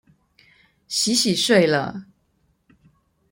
洗洗睡了